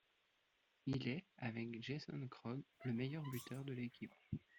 Il est avec Jason Krog le meilleur buteur de l'équipe.